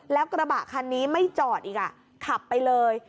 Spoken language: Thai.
แล้วกระบะคันนี้ไม่จอดอีกขับไปเลย